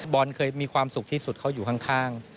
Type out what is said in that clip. เคยมีความสุขที่สุดเขาอยู่ข้าง